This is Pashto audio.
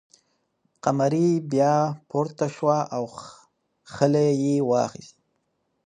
قمري بیا پورته شوه او خلی یې واخیست.